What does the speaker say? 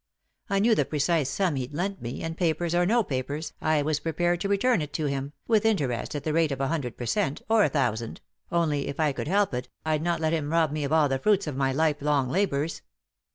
1 knew the precise sum he'd lent me, and, papers or no papers, I was prepared to return it to him, with interest at the rate of a hundred per cent., or a thousand ; only, if I could help it, I'd not let him rob me of all the fruits of my lifelong labours.